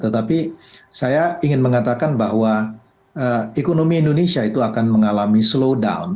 tetapi saya ingin mengatakan bahwa ekonomi indonesia itu akan mengalami slow down